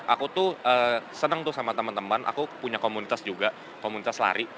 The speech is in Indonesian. aku tuh seneng tuh sama teman teman aku punya komunitas juga komunitas lari